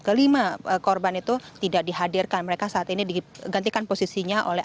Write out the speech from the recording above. kelima korban itu tidak dihadirkan mereka saat ini digantikan posisinya oleh